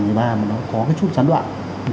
mà nó có cái chút gián đoạn